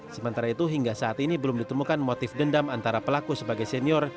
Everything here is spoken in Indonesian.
sementara itu hingga saat ini belum ditemukan motif dendam antara pelaku sebagai senior